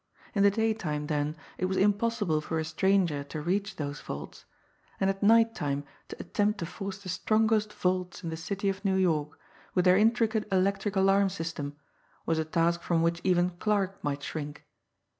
In the daytime then, it was impossible for a stranger to reach those vaults; and at night time to attempt to force the strongest vaults in the City of New York, with their intricate electric alarm system, was a task from which even Clarke might shrink!